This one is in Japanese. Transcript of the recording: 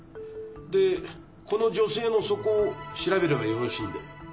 でこの女性の素行を調べればよろしいんで？